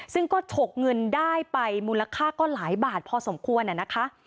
ซึ่งก็ฉกเงินได้ไปมูลค่าก็หลายบาทพอสมควรนะคะ